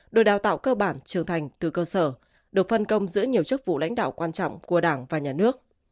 đội đào tạo cơ bản trưởng thành từ cơ sở được phân công giữa nhiều chức vụ lãnh đạo quan trọng của đảng và nhà nước